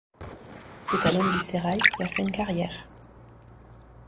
C'est un homme du sérail qui a fait une carrière.